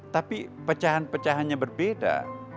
tapi pecahan pecahannya berbeda